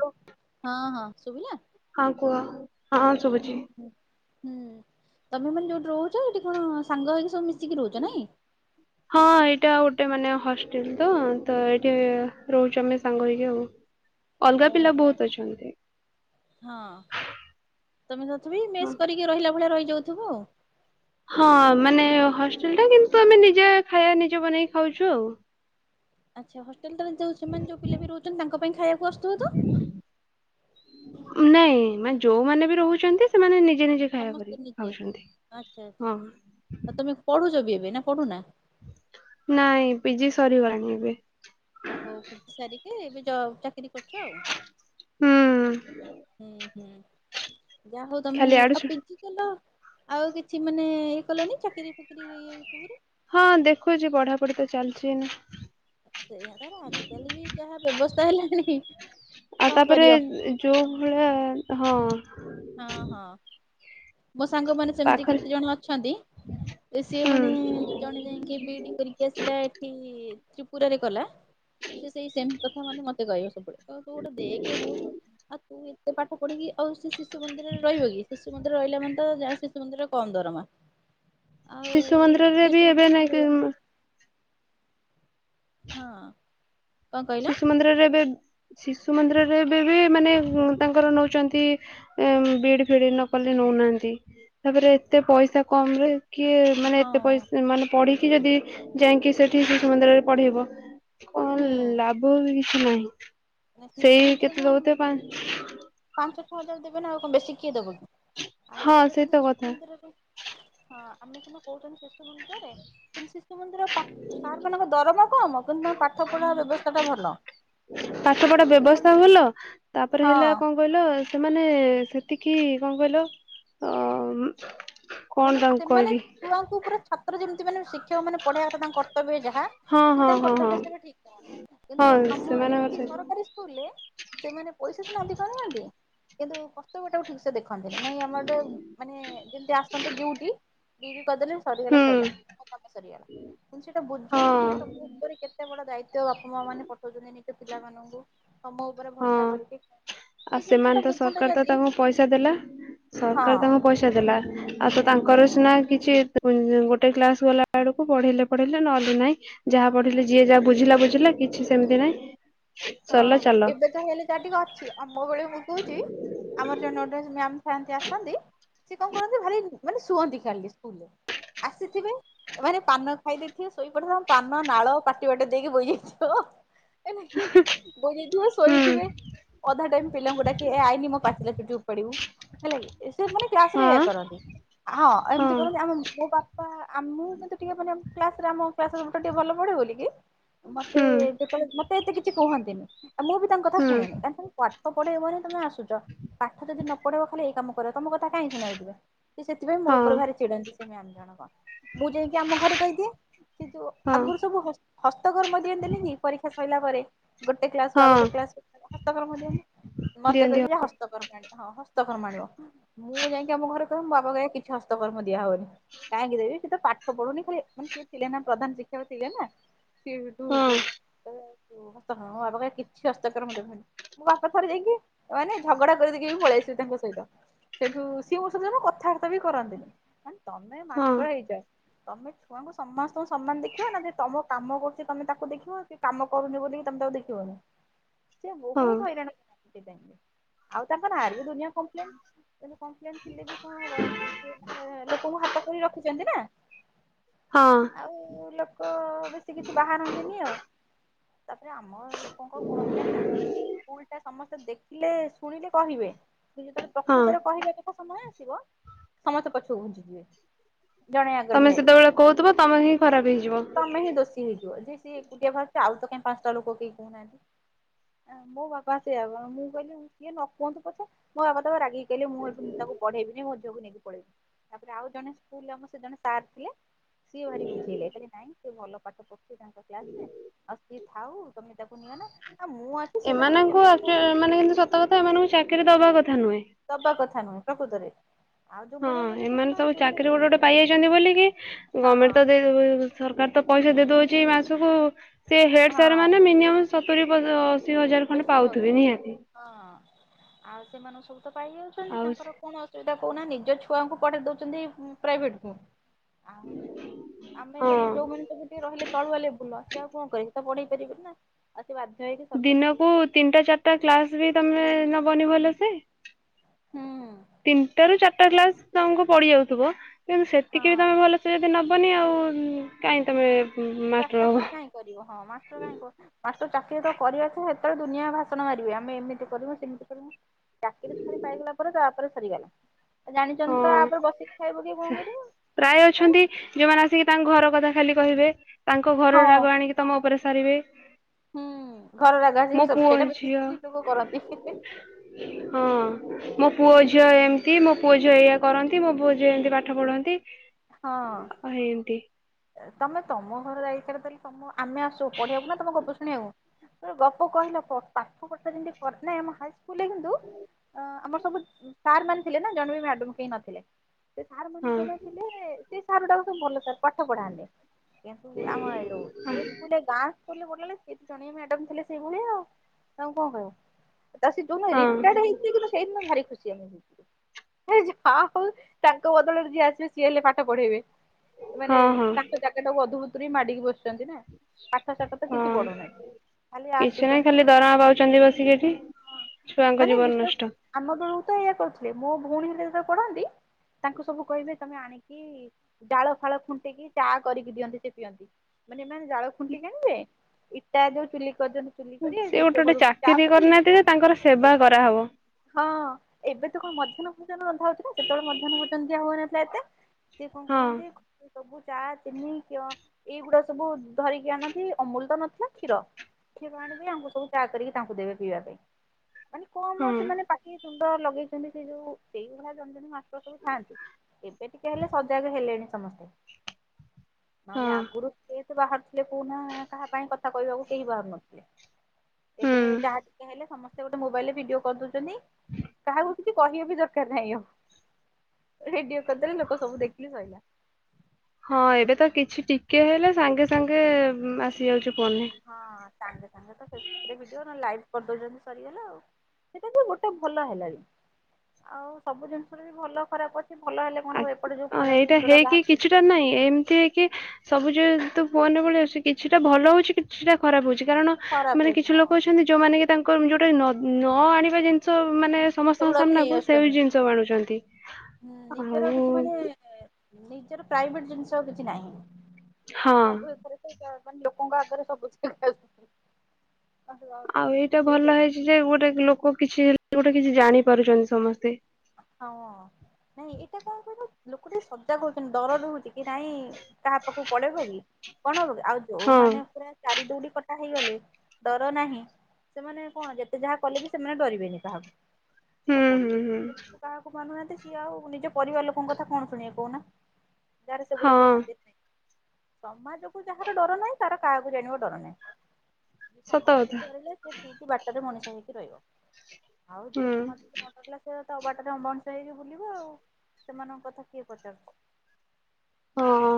Hello ହଁ ହଁ ସୁଭିଲା? ହଁ କୁହ। ହଁ ହୁଁ ଶୁଭୁଛି। ହୁଁ। ହୁଁ ତମେ ମାନେ ଯୋଉଠି ରହୁଛ ହେଠି କଣ ସାଙ୍ଗ ହେଇକି ସବୁ ମିଶିକି ରହୁଛ ନାଇଁ। ହଁ ଏଇଟା ଗୋଟେ ମାନେ ହଷ୍ଟେଲ ତ ତ ଏଇଠି ରହୁଛୁ ଆମେ ସାଙ୍ଗ ହେଇକି ଆଉ। [inaudible] ଅଲଗା ପିଲା ଓହୋ। ବହୁତ ଅଛନ୍ତି। ହଁ ତୁମେ ତଥାପି ହଁ। ମେସ୍ କରିକି ରହିଲା ଭଳିଆ ରହିଯାଉଥିବ ଆଉ। ହଁ ମାନେ ହଷ୍ଟେଲ ଟା କିନ୍ତୁ ଆମେ ନିଜେ ଖାଇବା ନିଜେ ବନେଇକି ଖାଉଛୁ ଆଉ। ଆଚ୍ଛା ହଷ୍ଟେଲଟା ରେ ଯେଉଁ ସେମାନେ ଯେଉଁ ପିଲା ବି ରହୁଛନ୍ତି ତାଙ୍କ ପାଇଁ ଖାଇବାକୁ ଆଶୁଥିବ ତ? ନାଇଁ ମାନେ ଯୋଉମାନେ ବି ରହୁଛନ୍ତି ସେମାନେ ନିଜେ ନିଜେ ଖାଇବା ସମସ୍ତେ କରି ନିଜେ। ଖାଉଛନ୍ତି। ଆଚ୍ଛା ହଁ। ଆଉ ତମେ ପଢୁଛ ବି ଏବେ ନା ପଢୁନା? ନାଇଁ ପିଜି ସରିଗଲାଣି ଏବେ। ଓହୋ ପିଜି ସାରିକି ଏବେ ଜ ଚାକିରି କରୁଛ ଆଉ ହୁଁ ହୁଁ। ହୁଁ ଯାହା ହଉ ତମେ ଖାଲି ଆଡୁ ଆ ସା ପିଜି କଲ ଆଉ କିଛି ମାନେ ଇଏ କଲନି ଚାକିରି ଫାକିରି ଇଏ ସବୁରେ? ହଁ ଦେଖୁଛି ପଢାପଢି ତ ଚାଲିଛି ଏଇନା। ସେଇଆ ତାପରେ ଆଜିକାଲି ବି ଯାହା ବ୍ୟବସ୍ଥା ହେଲାଣିି ଆଉ ତାପରେ ଯୋଉ ଭଳିଆ ହଁ ହଁ ହଁ ମୋ ସାଙ୍ଗ ମାନେ ସେମିତି ପାଖରେ କିଛି ଜଣ ଅଛନ୍ତି ସିଏ ହୁଁ। ମାନେ ଜଣେ ଯାଇକି ବିଇଡି କରିକି ଆସିଲା ଏଠି ତ୍ରିପୁରାରେ କଲା। ସେ ସେଇ ସେମ କଥା ମାନେ ମତେ କହିବ ସବୁବେଳେ କହିବ ତୁ ଗୋଟେ ଦେଖେ ବୁଝୁ ଆଉ ତୁ ସେ ପାଠ ପଢିକି ଆଉ ସେ ଶିଶୁ ମନ୍ଦିରରେ ରହିବ କି ଶିଶୁ ମନ୍ଦିରରେ ରହିଲା ମାନେ ତ ଯା ଶିଶୁ ମନ୍ଦିରରେ କମ ଦରମା। ଆଉ ଶିଶୁ ମନ୍ଦିରରେ ଶିଶୁ ବି ମନ୍ଦିର ଏବେ ସେ ନାଇଁକି ରହିବା ହଁ କଣ କହିଲ ଶିଶୁ ମନ୍ଦିରରେ ଏବେ ଶିଶୁ ମନ୍ଦିରରେ ଏବେ ବି ମାନେ ତାଙ୍କର ନଉଛନ୍ତି ଏ ବିଡି ଫିଡି ନ କଲେ ନଉନାହାନ୍ତି। ତାପରେ ଏତେ ପଇସା କମରେ କିଏ ମାନେ ହଁ ଏତେ ପଇସା ମାନେ ପଢିକି ଯଦି ଯାଇକି ସେଠି ଶିଶୁ ମନ୍ଦିରରେ ପଢେଇବ କଣ ହୁଁ। ଲାଭ ବି କିଛି ନାହିଁ ଶିଶୁ ସେଇ କେତେ ମନ୍ଦିରରେ ଦଉଥିବେ ପା ପାଞ୍ଚ ଛଅ ହଜାର ଦେବେ ନା ଆଉ କଣ ବେଶୀ କିଏ ଦେବ କି। ଆଉ ହଁ ତାପରେ ସେଇ ତ କିନ୍ତୁ ଶିଶୁ କଥା ମନ୍ଦିରରେ ହଁ ଆମେ କିନ୍ତୁ କହୁଛନ୍ତି ଶିଶୁ ମନ୍ଦିରରେ କିନ୍ତୁ ସେ ଶିଶୁ ମନ୍ଦିର ପା ସାର୍ ମାନଙ୍କ ଦରମା କମ କିନ୍ତୁ ତାଙ୍କ ପାଠ ପଢା ବ୍ୟବସ୍ଥା ଟା ଭଲ। ପାଠ ସେ ପଢା ଯେତିକି ବ୍ୟବସ୍ଥା ଭଲ ତାପରେ ହେଲା ହଁ କଣ ଣ କହିଲ ସେମାନେ ସେତିକି କଣ କହିଲ ଅ କଣ ମାନେ ତାଙ୍କୁ ସେମାନେ କହିବି ଛୁଆଙ୍କ ଉପରେ ଛାତ୍ର ଯେମିତି ମାନେ ଶିକ୍ଷକ ମାନେ ପଢେଇବା କଥା ତାଙ୍କ କର୍ତବ୍ୟ ଯାହା ହଁ ସିଏ ହଁ ତାଙ୍କ ହଁ ହଁ କର୍ତ୍ତବ୍ୟ ସେଟା ଠିକ କରନ୍ତି। କିନ୍ତୁ ହଁ ଆମ ସେମାନଙ୍କର ଏଠି ସେ ସରକାରୀ ସ୍କୁଲରେ ସେମାନେ ପଇସା ସିନା ଅଧିକ ନିଅନ୍ତି କିନ୍ତୁ କର୍ତ୍ତବ୍ୟ ଟାକୁ ଠିକ୍ ସେ ଦେଖନ୍ତିନି ନାଇଁ ଆମର ମାନେ ଯେମିତି ଆସନ୍ତି ଡ୍ୟୁଟି ଡ୍ୟୁଟି କରିଦେଲେ ସରିଗଲା ହୁଁ ସଇଲା ମୋ କାମ ସରିଗଲା। କିନ୍ତ ସେଟା ହଁ ବୁଝୁନ୍ତିନି ଯେ ତମ ଉପରେ କେତେ ବଡ ଦାୟି ତ୍ୟ ବାପା ମା ମାନେ ପଠଉଛନ୍ତି ନିଜ ପିଲାମାନଙ୍କୁ ତମ ଉ ହଁ ଆଉ ସେମାନେ ତ ବୁଝନ୍ତେ ସରକାର ତ ଯଦି ତାଙ୍କୁ ପଇସା ଦେଲା ହଁ ସରକାର ତାଙ୍କୁ ପଇସା ଦେଲା। ଆଉ ତ ତାଙ୍କର ସିନା କିଛି ଗୋଟେ କ୍ଲାସ ଗଲା ବେଳକୁ ପଢେଇଲେ ପଢେଇଲେ ନହଲେ ନହିଁ ଯାହା ନହେଲେ ନାହିଁ। ପଢିଲେ ଯିଏ ଯାହା ବୁଝିଲା ବୁଝିଲା କିଛି ସେମିତି ନାଇଁ। ହଁ ଏବେ ତ ହେଲେ ଯା ଟିକେ ଅଛି ଆମ ବେଳେ ମୁଁ କହୁଛି ଆମର ଜଣେ ଗୋଟେ ମ୍ୟାମ୍ ଥାନ୍ତି ଆସନ୍ତି ସେ କଣ କରନ୍ତି ଭାରି ମାନେ ଶୁଅନ୍ତି ଖାଲି ସ୍କୁଲରେ। ଆସିଥିବେ ଏମାନେ ପାନ ଖାଇ ଦେଇଥିବେ ଶୋଇପଡିଥିବେ ତାଙ୍କ ପାନ ନାଳ ପାଟି ବାଟେ ଦେଇକି ବୋଇଯାଇଥିବ। ବୋହିଯାଇଥିବେ ହୁଁ ଶୋଇଥିବେ ଅଧା ଟାଇମ୍ ପିଲାଙ୍କୁ ଡା କି ଆଇନି ମୋ ପାଚିଲା ଚୁଟି ଉପାଡିବୁ। ହେଲା କି। ଏସବୁ ମାନେ କ୍ଲାସ ରେ ହଁ ଏୟା କରନ୍ତି, ହଁ ଏମିତି କରନ୍ତି। ଆମେ ମୋ ବା ପା ମୁଁ କିନ୍ତୁ ଟିକେ ମାନେ କ୍ଲାସରେ ଆମ କ୍ଲାସରେ ସବୁଠାରୁ ଟିକେ ଭଲ ପଢେ ବୋଲି କି ମତେ ହୁଁ ଯେତେବେଳେ ମତେ ଏତେ କିଛି କୁହନ୍ତିନି ଆଉ ମୁଁ ବି ତାଙ୍କ କଥା ହୁଁ ଶୁଣେନି। ପାଠ ପଢେଇବ ବୋଲି ତୁମେ ଆସୁଛ ପାଠ ଯଦି ନ ପଢେଇବ ଖାଲି ଏଇ କାମ କରିବ ତମ କଥା କାହିଁ ଶୁଣିବାକୁ ଜିବେ। ସେ ସେଥିପାଇଁ ମୋ ଉପ ହଁ ଭାରିଚିଡ଼ନ୍ତି ସେ ମ୍ୟାାମ ଜଣକ। ମୁଁ ଯାଇକି ଆମ ଘରେ କହିଦିଏ କି ଯ ହଁ ଆଗରୁ ସବୁ ହସ ହସ୍ତକର୍ମ ଦିଅନ୍ତେନିକି ପରୀକ୍ଷା ସଇିଲା ପରେ। ଗୋଟେ କ୍ଲାସରୁ ଆଉ ଗୋଟେ ହଁ କ୍ଲାସକୁ ହସ୍ତକର୍ମ ଦିଅନ୍ତି ମତେ ଦିଅନ୍ତି କହିବେଜା ହସ୍ତ ହସ୍ତକର୍ମ ଆଣିବ ହଁ ହସ୍ତକର୍ମ ଆଣିବ ମୁଁ ଯାଇକି ଆମ ଘରେ କହିବ ମୋ ବାବା କିଛି ହସ୍ତକର୍ମ ଦିଆ ହବନି। କାହିଁକି ଦେବି ସେ ତ ପାଠ ପଢଉନି ଖାଲି ମାନେ ସିଏ ଥିଲେ ନା ପ୍ରଧାନ ଶିକ୍ଷକ ଥିଲେ ନା। ସିଏବି ହେଠୁ ହଁ କହିବେ କଖିବେ ହସ୍ତକର୍ମ ମୋ ବାବା କଖିବେ କିଛି ହସ୍ତକର ଦେବାନି। ମୋ ବାପା ଥରେ ଯାଇକି ମାନେ ଝଗଡା କରିଦେଇକି ବି ପଳେଇଆସିବେ ତାଙ୍କ ସହିତ। ସେଠୁ ସିଏ ମୋ ସହିତ ନା କଥାବାର୍ତ୍ତା ବି କରନ୍ତିନି ମାନେ ତମେ ହଁ ମାଷ୍ଟର ହେଇଚ ତମେ ଛୁଆଙ୍କୁ ସମସ୍ତଙ୍କୁ ସମାନ ଦେଖିବ ନା ଯେ ତମ କାମ କରୁଛି ତମେ ତାକୁ ଦେଖିବ କି କାମ କରୁନି ବୋଲି ତମତାକୁ ଦେଖିବନି ସେ ହଁ ବହୁତ ହଇରାଣ କରୁଚି ସେଥିପାଇଁ। ଆଉ ତାପରେ ଆରବି ଦୁନିଆ କମ୍ପ୍ଲେନ। ଯେତେ କପ୍ଲେ ଥିଲେ ବି କଣ ହବ ସେ ମାନେ ଲୋକଙ୍କୁ ହାତ କରି ରଖିଛନ୍ତି ନା। ହଁ। ଆଉ ଲୋକ ବେଶୀ କିଛି ବାହାରନ୍ତିନି ଆଉ। ତାପରେ ଆମ ଲୋକଙ୍କ ଗୁଣବି ଜାଣିନା ଭୁଲଟା ସମସ୍ତେ ଦେଖ ଖିଲେ ଶୁଣିଲେ କହିବେ କି ଯେତେବେଳେ ହଁ ପ୍ରକୃତରେ କହିବେ ସମୟ ଆସିବ ସମସ୍ତେ ପଛକୁ ଘୁଞ୍ଚିଯିବେ। ଜଣେ ଆଗରେ ତମେ ଠିଆ ହେଇଥିବ ସେତେବେଳେ କହୁଥିବ ତମେ ହିଁ ଖରାପ ହେଇଯିବ। ତମେ ହିଁ ଦୋଷୀ ହେଇଯିବ ଯେ ସିଏ ଏକୁଟିଆ ବାହାରୁଚି ଆଉ ତ କାହିଁ ପାଞ୍ଚଟା ଲୋକ କେହି କହୁନାହାନ୍ତି। ମୋ ବାବା ସେଇଆ କହୁ ମୁଁ କହିଲି ସିଏ ନ କୁହନ୍ତୁ ପଛେ ମୋ ବାବା ତାକୁ ରାଗି କହିଲେ ମୁଁ ଏଠୁ ତାକୁ ପଢେଇବିନି ମୋ ଝିଅକୁ ନେଇକି ପଳେଇବି ତାପରେ ଆଉ ଜଣେ ସ୍କୁଲ ଆମ ସେ ଜଣେ ସାର୍ ଥିଲେ ସିଏ ଭାରି ବୁଝେଇଲେ କହିଲେ ନାଇଁ ସେ ଭଲ ପାଠ ପଢୁଚି ତାଙ୍କ କ୍ଲାସରେ ଆଉ ସିଏ ଥାଉ ତମେ ତାକୁ ନିଅନା ଆ ମୁଁ ଅଛି। ସିଏ ତ ତାଙ୍କ ଏମାନଙ୍କୁ ସେମିତି ତାଙ୍କୁ ଆକଚୁ ମାନେ କିନ୍ତୁ ସତକଥା ଏମାନଙ୍କୁ ଚାକିରି ଦବା କଥା ନୁହେଁ। ଦବା କଥା ନୁହେଁ ପ୍ରକୃତରେ। ଆଉ ହଁ ଯୋଉମାନେ କିନ୍ତୁ ଏମାନେ ଦେଖୁନ ସବୁ ଯୋଉମାନେ ଚାକିରି ଗୋଟେ ଗୋଟେ ପାଇଯାଇଛନ୍ତି ବୋଲିିକି ହଁ ଗର୍ଣମେଣ୍ଟ ତ ଦେଇ ସରକାର ତ ପଇସା ଦେଇ ଦଉଛି ମାସକୁ ସେ ହେଡ ସାର୍ ହଁ ମାନେ ମିନିମମ୍ ସତୁୁରି ଅଶି ହଜାର ଖଣ୍ଡେ ବେଶୀ ପାଉଛେ ପାଉଥିବେ ନିହାତି। ହଁ ଆଉ ସେମାନ ସବୁ ତ ପାଇଯାଉଛନ୍ତି ଆଉ ତାଙ୍କର କଣ ଅସୁବିଧା କହୁନା ନିଜ ଛୁଆଙ୍କୁ ପଢ଼େଇ ଦଉଛନ୍ତି ପ୍ରାଇଭେଟ କୁ। ଆଉ ଆମେ ହଁ ସବୁ ଯୋଉମାନେ ସବୁ ଟିକେ ରହିଲେ ତଳୁଆ ଲେବୁଲର ସେ ଆଉ କଣ କରିବେ। ତ ପଢେଇ ପାରିବି ନା ଆଉ ସେ ବାଧ୍ୟ ହେଇକି ସରକାର। ହୁଁ ତିନିଟା ଚାରିଟା କ୍ଲାସ ବି ତମେ ନବନି ଭଲ ସେ? ହୁଁ। ତିନିଟା ରୁ ଚାରିଟା କ୍ଲାସ ତାଙ୍କୁ ପଡି ଯାଉଥିବ କିନ୍ତୁ ସେତିକି ବି ହଁ ତମେ ଭଲ ସେ ତ ନବନି ଆଉ କାଇଁ ତମେ ତା ମାଷ୍ଟର ହବ। ଚାକିରି କାଇଁ କରିବ ହଁ ମାଷ୍ଟର କାଇଁ କହୁ ମାଷ୍ଟର ଚାକିରୀ ତ କରିବାର ଥିବ ହେତେବେଳେ ଦୁନିଆ ଭାଷଣ ମାରିବେ ଆମେ ଏମିତି କରିବୁ ସେମିତି କରିବୁ ଚାକିରି ଥରେ ପାଇଗଲା ପରେ ତାପରେ ସରିଗଲା। ଆଉ ହଁ ଜାଣିଛଛନ୍ତି ତ ଆପରେ ବସିିକି ଖାଇବ କି କଣ କରିବ ପ୍ରାୟ ଅଛନ୍ତି ତାପରେ? ଯୋଉମାନେ ଆସିକି ତାଙ୍କ ଘର କଥା ଖାଲି କହିବେ ତାଙ୍କ ଘର ହଁ ରାଗ ଆଣିକି ତମ ଉପରେ ସାରିବେ। ହୁଁ ଘର ରାଗ ଆସିକି ମୋ ସବୁ ପୁଅ ସେଇଟା ବେଶୀ ଝିଅ ସ୍ତ୍ରୀ ଲୋକ କରନ୍ତି। ହଁ ମୋ ପୁଅ ଝିଅ ଲୋକମାନେ ଏମ ଚି ମୋ ପୁଅ ଝିଅ ଏଇଆ କରନ୍ତି ମୋ ପୁଅଝିଅ ଏମିତି ପାଠ ପଢନ୍ତି। ହଁ। ହ ଏମତି। ଏ ତମେ ତମ ଘର ଦାୟିତ୍ବରେ ଦେଲେ ତମ ଆମେ ଆସୁଚୁ ପଢିବାକୁ ନା ତମ ଗପ ଶୁଣିବାକୁ। ଗପ କହିଲ ପ ପାଠ ପଚାରିନ୍ ଟିକେ କରିନେ ଆମ ହାଇସ୍କୁଲରେ କିନ୍ତୁ ଅଁ ଆମର ସବୁ ସାର୍ ମାନେ ଥିଲେ ନା ଜଣେ ବି ମ୍ୟାଡ଼ାମ୍ କେହି ନଥିଲେ। ସେ ସାର୍ ମାନେ ହଁ ଜଣେ ଥିଲେ ସେ ସାରଟାକୁ ସେ ଭଲ ସାର୍ ପାଠ ପଢ଼ାନ୍ତି। କିନ୍ତୁ ଆମ [unintelligible] ସେଇଭଳିଆ ଆଉ। ତାଙ୍କୁ କଣ କହିବୁ, ତା ସେ ଯୋଉମାନେ ହଁ ରିଟାର୍ଡ଼ ହେଇକି ଯିବେ ସେଇଦିନ ଭାରି ଖୁସି ଆମେ ହେଇଥିଲୁ। ହେ ଯାହାହଉ ତାଙ୍କ ବଦଳରେ ଯିଏ ଆସିବେ ସିଏ ହେଲେ ପାଠ ପଢେଇବେ। ମାନେ ହଁ ହଁ ତାଙ୍କ ଜାଗାଟାକୁ ଅଧୁବୁତ ଧରି ମାଡିକି ବସିଛନ୍ତି ନା, ପାଠ ସାଠ ତ କିଛି ହଁ ପଢ଼ଉନାହିଁ। କିଛି ନାହିଁ ଖାଲି ଦରମା ପାଉଛନ୍ତି ବସିକି ଏଠି, ଛୁଆଙ୍କ ମାନେ ଜୀବନ ବିଶ୍ୱାସ ନଷ୍ଟ। ଆମ ବେଳକୁ ତ ଏଇୟା କରୁଥିଲେ, ମୋ ଭଉଣୀ ହେଲେ ଯେତେବେଳେ ପଢ଼ାନ୍ତି ତାଙ୍କୁ ସବୁ କହିବେ ତମେ ଆଣିକି ଡାଳ ଫାଳ ଖୁଣ୍ଟିକି, ଚା କରିକି ଦିଅନ୍ତି ସେ ପିଅନ୍ତି। ମାନେ ଏମାନେ ଜାଳ ଖୁଣ୍ଟିକି ଆଣିବେ ଇଟା ଯୋଉ ଚୁଲି କରିଦିଅନ୍ତି। ଚୁଲି କରିବେ, ସେ ଗୋଟେ ନିଜ ଗୋଟେ ଘରକୁ ଚାକିରି ଚାଆପତି। କରିନାହାନ୍ତି ଯେ ତାଙ୍କର ସେବା କରାହବ ହଁ ଏବେ ତ କଣ ମଧ୍ୟାହ୍ନ ଭୋଜନ ରନ୍ଧା ହଉଛି ନା, ସେତେବେଳେ ମଧ୍ୟାହ୍ନ ଭୋଜନ ଦିଆ ହଉନଥିଲା ଏତେ। ସିଏ କଣ ହଁ କରନ୍ତି ସବୁ ଚା, ଚିନି, କିଅ, ଏଇଗୁଡା ସବୁ ଧରିକି ଆଣନ୍ତି ଅମୁଲ୍ ତ ନଥିଲା କ୍ଷୀର। [unintelligible] ଆଣିବେ ଆଙ୍କୁ ସବୁ ପ୍ୟାକ୍ କରିକି ତାଙ୍କୁ ଦେବେ ପିଇବା ପାଇଁ। ମାନେ କମ୍ ହଁ ସେମାନେ ପାଟି, ତୁଣ୍ଡ ଲଗେଇଛନ୍ତି ସେ ଯୋଉ ସେଇଭଳିଆ ଜଣେ ଜଣେ ମାଷ୍ଟର ସବୁ ଥାଆନ୍ତି। ଏବେ ଟିକେ ହେଲେ ସଜାଗ ହେଲେଣି ସମସ୍ତେ। ହଁ ନହଲେ ଆଗରୁ କେହି ତ ବାହାରୁଥିଲେ କହୁନା କାହା ପାଇଁ କଥା କହିବାକୁ କେହି ବାହାରୁ ନଥିଲେ। ଏବେ ହୁଁ ଯାହା ଟିକେ ହେଲେ ସମସ୍ତେ ଗୋଟେ ମୋବାଇଲରେ ଭିଡିଓ କରିଦଉଛନ୍ତି, କାହାକୁ କିଛି କହିବା ବି ଦରକାର ନାହିଁ ଆଉ, ଭିଡିଓ କରିଦେଲେ ଲୋକ ସବୁ ଦେଖିଲେ ସଇଲା। ହଁ ଏବେ ତ କିଛି ଟିକେ ହେଲେ ସାଙ୍ଗେ ସାଙ୍ଗେ ଆସି ଯାଉଛି ଫୋନନେ। ହଁ ସାଙ୍ଗେ ସାଙ୍ଗେ ତ ଫେସବୁକରେ ଭିଡିଓ ନହଲେ ଲାଇଭ କରିଦଉଛନ୍ତି ସରିଗଲା ଆଉ। ସେଇଟା ତ ଗୋଟେ ଭଲ ହେଲାଣି, ଆଉ ସବୁ ଜିନିଷର ବି ଭଲ ଖରାପ ଅ ଆ, ହଁ ଏଇଟା ହେଇକି ବାହାରୁଛି କିଛିଟା ନାହିଁ ଏମିତି କି ସବୁ ଯେହେତୁ ଫୋନ୍ ନେ ପଳି ଆସୁଛି କିଛିଟା ଭଲ ହଉଛି କିଛିଟା ଖରାପ ହଉଛି କାରଣ ଖରାପ ମାନେ ହଉଛି କିଛି ହଁ ଲୋକ ଅଛନ୍ତି ଯୋଉମାନେ କି ତାଙ୍କର ଯୋଉଟା କି ନ, ନ ଆଣିବା ଜିନିଷ ମାନେ ସମସ୍ତଙ୍କ ସେଗୁଡାକୁ ନେଇ ସାମ୍ନାକୁ ସେ ଆସୁଛନ୍ତି। ବି ଜିନିଷ ଆଣୁଛନ୍ତି। ହୁଁ ଆଉ ନିଜର କିଛି ମାନେ ନିଜର ପ୍ରାଇଭେଟ ଜିନିଷ ଆଉ କିଛି ନାହିଁ। ହଁ ସବୁ ଏଥରେକେ ଯା ମାନେ ଲୋକଙ୍କ ଆଗରେ ଝାକାସ୍। ଆଉ ଏଇଟା ଭଲ ହେଇଛି ଯେ ଗୋଟେ ଲୋକ କିଛି ହେଲେ ଗୋଟେ କିଛି ଜାଣିପାରୁଛନ୍ତି ସମସ୍ତେ। ହଁ, ନାଇଁ ଏଟା କଣ କହିଲ ଲୋକ ଟିକେ ସଜାଗ ହଉଛନ୍ତି, ଡର ରହୁଛି କି ନାଇଁ କାହା ପାଖକୁ ପଳେଇବ କି, କଣ ହବ କି, ଆଉ ହଁ ଯୋଉମାନେ ପୁରା ଚାରି ଦୌଡି କଟା ହେଇଗଲେ ଡର ନାହିଁ। ସେମାନେ କଣ ଯେତେ ଯାହା କଲେ ବି ସେମାନେ ଡରିବେନେଇ କାହାକୁ, ହୁଁ ଆଉ ହୁଁ ପୋଲିସ୍ ହୁଁ କାହାକୁ ମାନୁନାହାନ୍ତି ସିଏ ଆଉ ନିଜ ପରିବାର ଲୋକଙ୍କ କଥା କଣ ଶୁଣିବେ କହୁନା? ଯାହାର ସେଗୁଡା ସବୁ ହଁ ଖାତିର ନାହିଁ। ସମାଜକୁ ଯାହାର ଡର ନାହିଁ ତାର କାହାକୁ ଜାଣିବ ଡର ନାହିଁ, ସତ କଥା ସମାଜକୁ ଡରିଲେ ସେ ଠିକ୍ ବାଟରେ ମଣିଷ ହେଇକି ରହିବ, ଆଉ ଯିଏ ହୁଁ ସମାଜକୁ ନ ଡରିଲା ସେ ତା ବାଟରେ ଅମଣିଷ ହେଇକି ବୁଲିବ ଆଉ, ସେମାନଙ୍କ କଥା କିଏ ପଚାରୁଛି? ହଁ।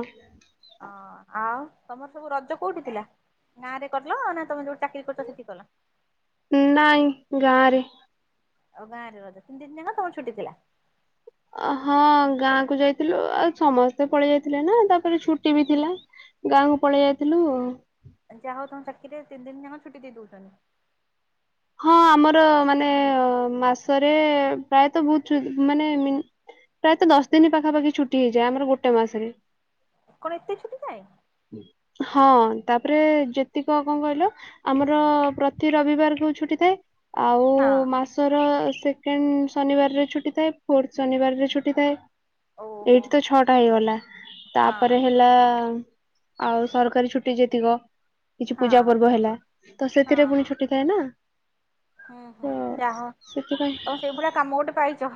ଅଁ ଆଉ ତମର ସବୁ ରଜ କୋଉଠି ଥିଲା, ଗାଁରେ କଲ ନା ତମେ ଯୋଉଠି ଚାକିରି କରୁଛ ସେଠି କଲ? ନାଇଁ ଗାଁ ରେ। ଆଉ ଗାଁରେ ରଜ ତିନି ଦିନ ଯାକ ତମର ଛୁଟି ଥିଲା। ହଁ ଗାଁକୁ ଯାଇଥିଲୁ ଆଉ ସମସ୍ତେ ପଳେଇ ଯାଇଥିଲେ ନା ତାପରେ ଛୁଟି ବି ଥିଲା। ଗାଁକୁ ପଳେଇ ଯାଇଥିଲୁ ଆଉ। ଆ ଯାହା ହଉ ତମ ଚାକିରୀରେ ତିନିି ଦିନ ଯାକ ଛୁଟି ଦେଇଦେଉଛନ୍ତିି। ହଁ ଆମର ମାନେ ମାସରେ ପ୍ରାୟତ ବହୁତ ମାନେ ପ୍ରାୟତଃ ଦଶ ଦିନ ପାଖାପାଖି ଛୁଟି ହେଇଯାଏ ଆମର ଗୋଟେ ମାସରେ। କଣ ଏତେ ଛୁଟି ଥାଏ? ହଁ ତାପରେ ଯେତିକ କଣ କହିଲ ଆମର ପ୍ରତି ରବିବାରକୁ ଛୁଟି ଥାଏ ଆଉ ହଁ ମାସ ମାସର ସେକେଣ୍ଡ ଶନିବାରରେ ଛୁଟି ଥାଏ, ଫୋର୍ଥ ଶନିବାରରେ ଛୁଟି ଥାଏ। ଓହୋ ଏଇଠି ତ ଛଅଟା ହେଇଗଲା ହଁ ତାପରେ ହେଲା ଆଉ ସରକାରୀ ଛୁଟି ଯେତିକ କିଛି ପୂଜା ହଁ ପର୍ବ ହେଲା ତ ହଁ ସେଥିରେ ପୁଣି ହଁ ଛୁଟି ଥାଏ ନା। ହୁଁ ହୁଁ ତ ଯାହା ସେଥିପାଇଁ ତମେ ସେଇଭଳିଆ କାମ ଗୋଟେ ପାଇଛ।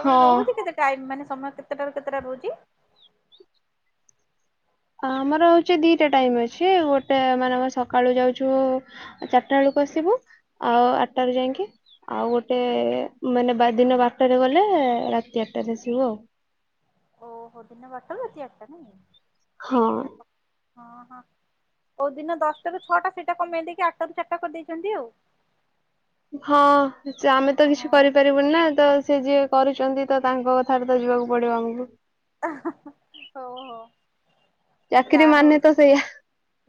ହଁ ରହୁଛି କେତେ ଟାଇମ ମାନେ ସମୟ କେତେଟାରୁ କେତେଟା ରହୁଛି? ଆମର ହଉଛି ଦିଟା ଟାଇମ ଅଛି ଗୋଟେ ମାନେ ଆମେ ସକାଳୁ ଯାଉଛୁ ଚାରିଟା ବେଳକୁ ଆସିବୁ ଆଉ ଆଠଟାରୁ ଯାଇକି। ଆଉ ଗୋଟେ ମାନେ ଦିନ ବାରଟାରେ ଗଲେ ରାତି ଆଠଟାରେ ଆସିବୁ ଆଉ। ଓହୋ ଦିନେ ବାରଟାରୁ ରାତି ଆଠଟା। ହଁ। ହଁ ହଁ। କୋଉ ଦିନ ଦଶଟାରୁ ଛଅଟା ସେଇଟା କମେଇ ଦେଇକି ଆଠଟାରୁ ଚାରିଟା କରିଦେଇଛନ୍ତି ଆଉ। ହଁ ଯେ ଆମେ ତ ଆଉ କିଛି କରିପାର ବୁନି ନା ତ ସିଏ ଯିଏ କରୁଛନ୍ତି ତ ତାଙ୍କ କଥାରେ ତ ଯିବାକୁ ପଡିବ ଆମକୁ। ହଁ। ହଉ ହଉ ଚାକିରି ଯାହା ହଉ ମାନେ ତ ସେଇୟା।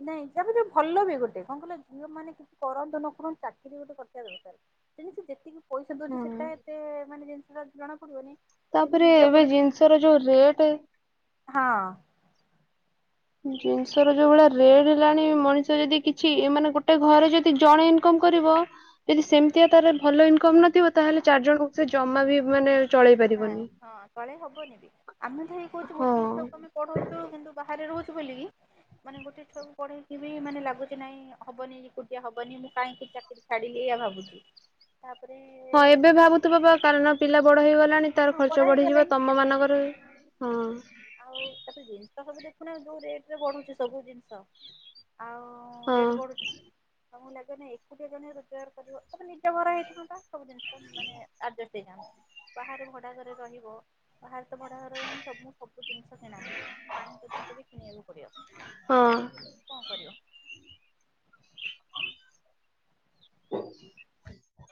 ନାଇଁ ତାପରେ ଭଲ ବି ଗୋଟେ କଣ କହିଲ ଝିଅ ମାନେ କିଛି କରନ୍ତୁ ନ କରନ୍ତୁ ଚାକିରି ଗୋଟେ କରିବା ଦରକାର। ତେନିକି ଯେତିକି ପଇସା ଦଉଛି ହୁଁ ସେଟା ଏତେ ମାନେ ଜିନିଷଟା ଜଣା ପଡିବନି। କିନ୍ତୁ ତାପରେ ନିଜ ଏବେ ଗୋଡରେ ଜିନିଷର ଯୋଉ ରେଟ୍ ହଁ। ଜିନିଷର ଯୋଉ ଭଳିଆ ରେଟ ହେଲାଣି ମଣିଷ ଯଦି କିଛି ଏ ମାନେ ଗୋଟେ ଘରେ ଯଦି ଜଣେ ଇନ୍ କମ୍ କରିବ ଯଦି ସେମିତିଆ ତାର ଭଲ ଇନକମ୍ ନଥିବ ତାହେଲେ ଚାରି ଜଣଙ୍କୁ ସେ ଜମା ବି ମାନେ ଚଳେଇ ନାଇଁ ପାରିବନି। ହଁ ତଳେ ହବନି। ଆମେ ତ ହେଇ କହୁଛୁ ହଁ ଗୋଟେ ଛୁଆକୁ ଆମେ ପଢଉଛୁ କିନ୍ତୁ ବାହାରେ ରହୁଛୁ ବୋଲିକି ମାନେ ଗୋଟେ ଛୁଆକୁ ପଢେଇକି ବି ମାନେ ଲାଗୁଛି ନାଇଁ ହବନି। ଏକୁଟିଆ ହବନି ମୁଁ କାହିଁକି ଚାକିରୀ ଛାଡିଲି ଏଇଆ ଭାବୁଛି। ତାପରେ ହଁ ଏବେ ଭାବୁଥୁବ ବା କାରଣ ପିଲା ବଡ ହେଇଗଲାଣି ତାର ହଁ ପଢା ଖର୍ଚ୍ଚ ହେଇଗଲାଣି ବଢିଯିବ ତମ ମାନଙ୍କର ହଁ। ଆଉ ତାପରେ ଜିନିଷ ତ ସବୁ ଦେଖୁନା ଆଉ ଯୋଉ ରେଟରେ ବଢୁଛି ସବୁ ଜିନିଷ ଆଉ ହଁ ରେଟ୍ ବଢୁଛି। ତମକୁ ଲାଗେ ନା ଏକୁଟିଆ ଜଣେ ରୋଜଗାର କରିବ ତାପରେ ନିଜ ଘର ହେଇଥାନ୍ତା ସବୁ ଜିନିଷ ମାନେ ଆର୍ଜେଷ୍ଟ ହେଇଥନ୍ତା। ବାହାରେ ଭଡ଼ାଘରେ ରହିବ ବାହାରେ ତ ଭଡାଘର ମାନେ ସବୁ ସବୁ ଜିନିଷ କିଣା ପାଣି ପର୍ଯ୍ୟନ୍ତ ବି କିଣିବାକୁ ପଡିବ। ଆଉ ହଁ। ତମେ କଣ କରିବ।